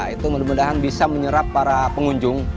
itu mudah mudahan bisa menyerap para pengunjung